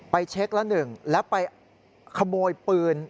ไปเช็คละหนึ่งแล้วไปขโมยปืน